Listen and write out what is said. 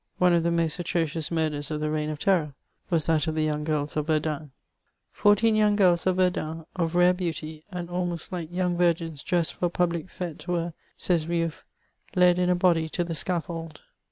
One of the most atrocioas murders of the reig^ of terror was that of the young girls of Verdun. ^^ Fourteen young girls of Verdun, of rare beauty, and almost like young viigins dressed for a public flte, were," says Rioi:^e, ^'led in a body to the sca£fbld.